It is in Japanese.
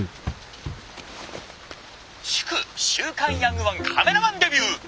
「祝週刊ヤングワンカメラマンデビュー！